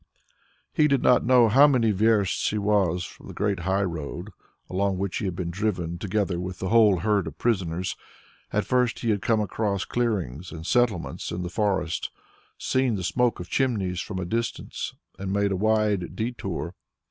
He did not know how many versts he was from the great high road, along which he had been driven together with the whole herd of prisoners. At first he had come across clearings and settlements in the forest, seen the smoke of chimneys from a distance, and made a wide detour.